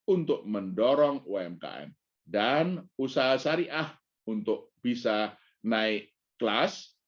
untuk mendorong umkm dan usaha syariah untuk bisa naik kelas